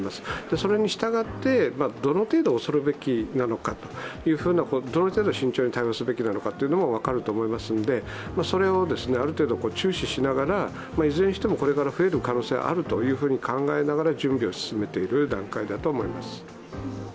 それに従ってどの程度恐れるべきなのか、どの程度慎重に対応すべきなのかが分かると思いますので、それを注視しながら、いずれにしてもこれから増える可能性があると考えながら準備を進めている段階だと思います。